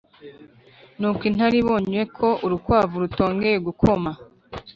nuko intare ibonye ko urukwavu rutongeye gukoma